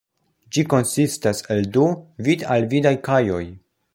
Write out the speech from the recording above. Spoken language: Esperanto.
Ĝi konsistas el du vid-al-vidaj kajoj.